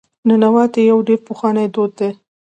ننواتې یو ډېر پخوانی دود دی.